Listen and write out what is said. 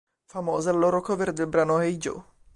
Famosa la loro cover del brano "Hey Joe".